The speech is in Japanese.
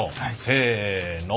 せの。